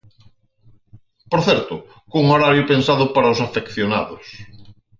Por certo, cun horario pensado para os afeccionados.